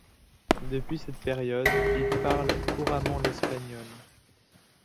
Depuis cette période, il parle couramment l'espagnol.